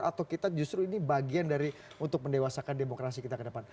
atau kita justru ini bagian dari untuk mendewasakan demokrasi kita ke depan